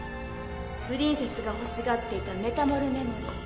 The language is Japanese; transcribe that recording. プリンセスがほしがっていたメタモルメモリー。